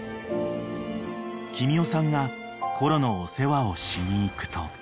［君代さんがコロのお世話をしに行くと］